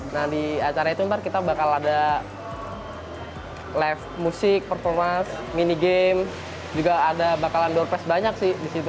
nah di acara itu nanti kita bakal ada live musik performance minigame juga ada bakalan door press banyak sih disitu